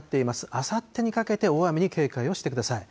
あさってにかけて大雨に警戒をしてください。